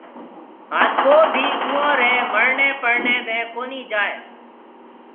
ھان ڪو ڀِي اوئون ري مرڻيَ پرڻيَ ۾ ڪونِي جائيَ